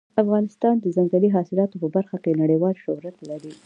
افغانستان د ځنګلي حاصلاتو په برخه کې نړیوال شهرت لري.